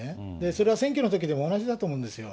それは選挙のときでも同じだと思うんですよ。